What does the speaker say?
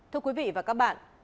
chào quý vị và các bạn